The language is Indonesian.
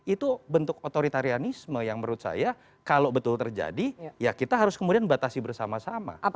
itu bentuk otoritarianisme yang menurut saya kalau betul terjadi ya kita harus kemudian batasi bersama sama